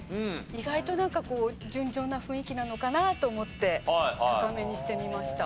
意外となんかこう純情な雰囲気なのかなと思って高めにしてみました。